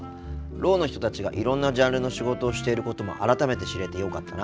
ろうの人たちがいろんなジャンルの仕事をしていることも改めて知れてよかったな。